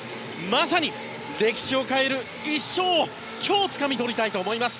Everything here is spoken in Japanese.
まさに、歴史を変える１勝を今日つかみ取りたいと思います。